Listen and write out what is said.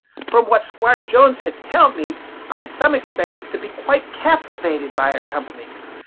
From what Squire Jones had telled me, I some expected to be quite captivated by her company.